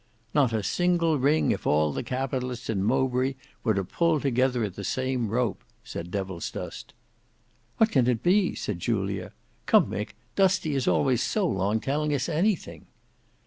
"Not a single ring if all the Capitalists in Mowbray were to pull together at the same rope," said Devilsdust. "What can it be?" said Julia. "Come, Mick; Dusty is always so long telling us anything."